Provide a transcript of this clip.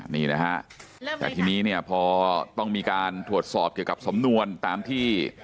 นี่นะฮะแต่ทีนี้เนี่ยพอต้องมีการตรวจสอบเกี่ยวกับสำนวนตามที่